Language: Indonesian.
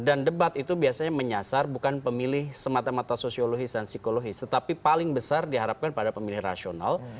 dan debat itu biasanya menyasar bukan pemilih semata mata sosiologis dan psikologis tetapi paling besar diharapkan pada pemilih rasional